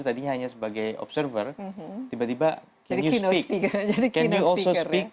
tadi hanya sebagai observer tiba tiba jadi keynote speaker jadi keynote speaker ya